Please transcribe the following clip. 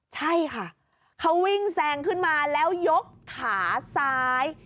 ใช่ค่ะเขาวิ่งแซงขึ้นมาแล้วยกขาซ้าย